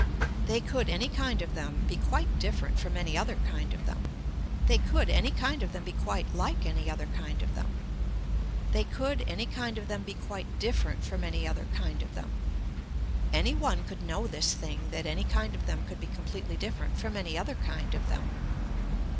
They could any kind of them be quite different from any other kind of them. They could any kind of them be quite like any other kind of them. They could any kind of them be quite different from any other kind of them. Any one could know this thing that any kind of them could be completely different from any other kind of them.